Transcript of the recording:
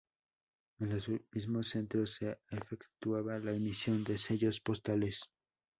En los mismos centros se efectuaba la emisión de sellos postales.